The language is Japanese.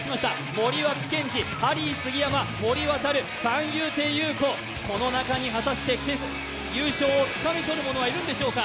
森脇健児、ハリー杉山、森渉、三遊亭遊子、この中に優勝をつかみ取る者はいるのでしょうか。